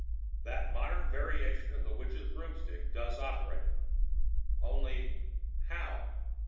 That modern variation of a witch's broomstick does operate. Only—how?"